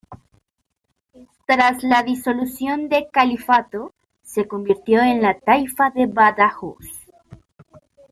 Tras la disolución del Califato, se convirtió en la Taifa de Badajoz.